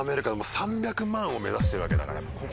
３００万を目指してるわけだから。